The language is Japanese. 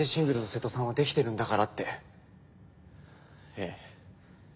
ええ。